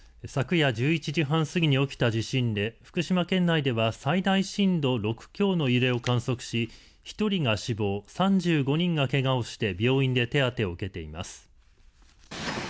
昨夜１１時半過ぎに起きた地震で福島県内では最大震度６強の揺れを観測し、１人が死亡、３５人がけがをして病院で手当てを受けています。